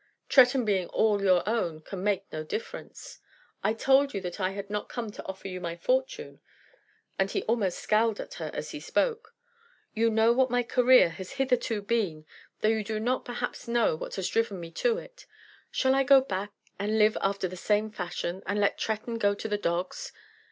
"Tretton being all your own can make no difference." "I told you that I had not come to offer you my fortune." And he almost scowled at her as he spoke. "You know what my career has hitherto been, though you do not perhaps know what has driven me to it. Shall I go back, and live after the same fashion, and let Tretton go to the dogs?